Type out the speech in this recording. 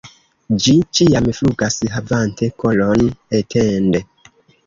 Ĝi ĉiam flugas havante kolon etende.